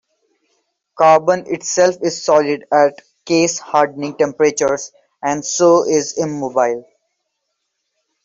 Carbon itself is solid at case-hardening temperatures and so is immobile.